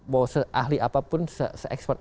mau se ahli apapun se ekspert